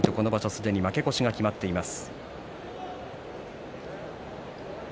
すでに負け越しが決まっています。